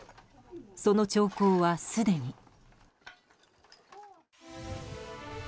その兆候はすでに。